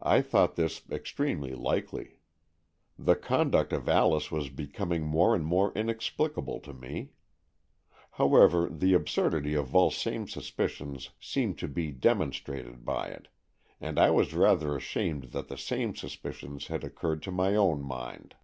I thought this extremely likely. The con duct of Alice was becoming more and more inexplicable to me. However, the absurdity .IN EXCHANGE OF SOULS 149 of Viilsame's suspicions seemed to be demon strated by it, and I was rather ashamed that the same suspicions had occurred to my own mind.